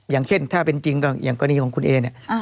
อย่างเช่นถ้าเป็นจริงก็อย่างกรณีของคุณเอเนี่ย